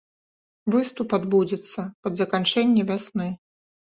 Выступ адбудзецца пад заканчэнне вясны.